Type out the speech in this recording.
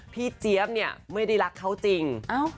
เจี๊ยบเนี่ยไม่ได้รักเขาจริง